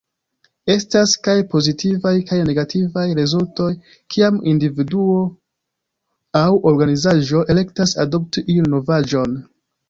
Estas kaj pozitivaj kaj negativaj rezultoj kiam individuo aŭ organizaĵo elektas adopti iun novaĵon.